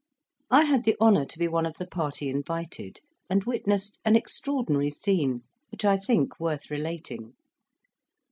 I had the honour to be one of the party invited, and witnessed an extraordinary scene, which I think worth relating.